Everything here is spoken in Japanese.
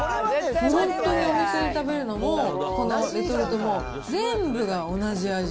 本当にお店で食べるのも、同じ、レトルトも全部が同じ味。